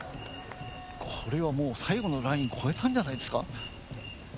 これはもう最後のライン越えたんじゃないですか。